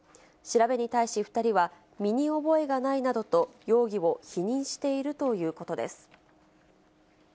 調べに対し、２人は身に覚えがないなどと、容疑を否認しているということです。